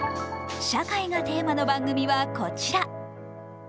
「社会」がテーマの番組はこちら。